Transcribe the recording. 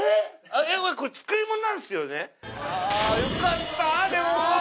ああよかったでも！